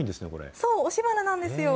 そう、押し花なんですよ。